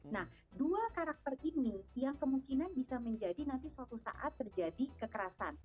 nah dua karakter ini yang kemungkinan bisa menjadi nanti suatu saat terjadi kekerasan